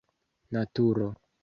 naturo